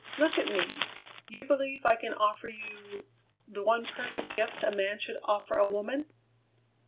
Look at me! You believe I can offer you the one perfect gift a man should offer a woman?"